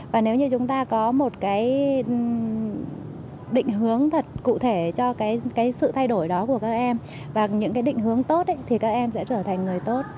và nếu như chúng ta có một cái định hướng thật cụ thể cho cái sự thay đổi đó của các em và những cái định hướng tốt thì các em sẽ trở thành người tốt